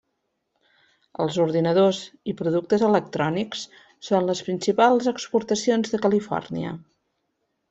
Els ordinadors i productes electrònics són les principals exportacions de Califòrnia.